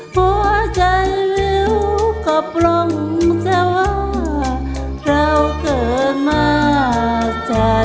หัวใจวิวก็ปล่องแค่ว่าเราเกิดมา